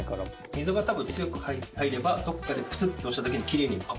溝が多分強く入ればどこかでプツッと押した時にきれいにパコッ。